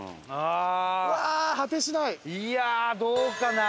いやあどうかな？